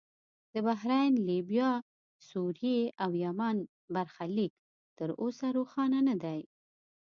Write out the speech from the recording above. د بحرین، لیبیا، سوریې او یمن برخلیک تر اوسه روښانه نه دی.